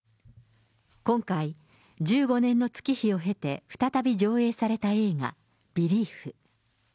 今回、１５年の月日を経て再び上映された映画、ビリーフ。